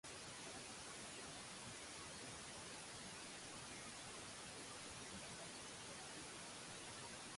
He was also the chairman of the Master of Photographers Examination Committee.